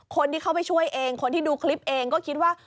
คนที่เข้าไปช่วยเองคนที่ดูคลิปเองก็คิดว่า